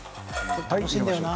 楽しいんだよな。